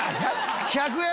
１００円！」